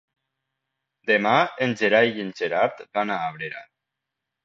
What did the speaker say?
Demà en Gerai i en Gerard van a Abrera.